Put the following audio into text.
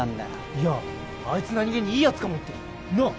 いやあいつ何気にいいやつかもってなあ？